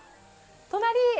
隣。